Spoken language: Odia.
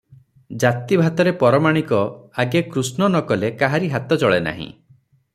ଜାତିଭାତରେ ପରମାଣିକ ଆଗେ କୃଷ୍ଣ ନ କଲେ କାହାରି ହାତ ଚଳେ ନାହିଁ ।